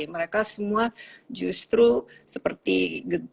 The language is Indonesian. mereka semua justru seperti geger